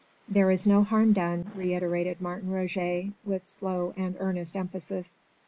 "There is no harm done," reiterated Martin Roget with slow and earnest emphasis.